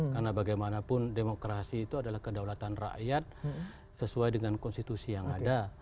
karena bagaimanapun demokrasi itu adalah kedaulatan rakyat sesuai dengan konstitusi yang ada